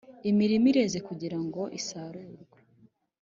Imirima ireze kugira ngo isarurwe